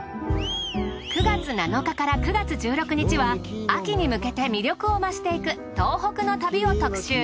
９月７日から９月１６日は秋に向けて魅力を増していく東北の旅を特集。